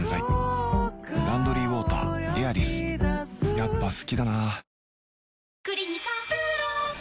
やっぱ好きだな